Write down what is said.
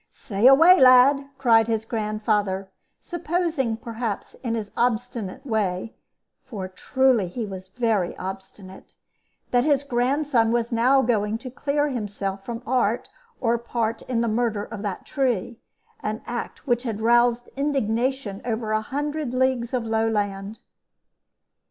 "Say away, lad," cried his grandfather, supposing, perhaps, in his obstinate way (for truly he was very obstinate), that his grandson was going now to clear himself from art or part in the murder of that tree an act which had roused indignation over a hundred leagues of lowland.